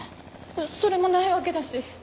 それもないわけだし。